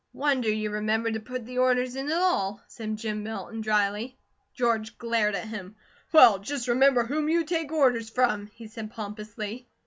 "Wonder you remembered to put the orders in at all," said Jim Milton dryly. George glared at him. "Well, just remember whom you take orders from," he said, pompously.